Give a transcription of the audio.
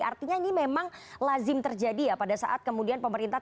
artinya ini memang lazim terjadi ya pada saat kemudian pemerintah